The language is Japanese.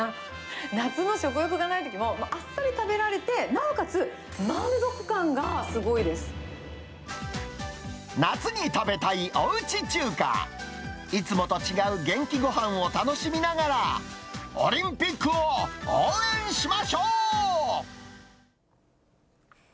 夏の食欲がないときも、あっさり食べられて、なおかつ満足感がすいつもと違う元気ごはんを楽しみながら、オリンピックを応援しま